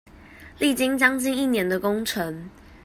歷經將近一年的工程